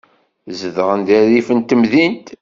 Zedɣen deg rrif n temdint.